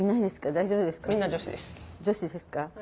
大丈夫ですか？